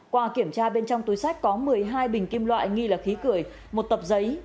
qua kiểm tra bên trong túi sách có một mươi hai bình kim loại nghi là khí cười một tập giấy